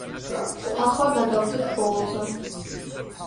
ახლა გადავიდეთ ბოლოზე.